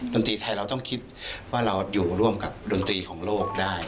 ดนตรีไทยเราต้องคิดว่าเราอยู่ร่วมกับดนตรีของโลกได้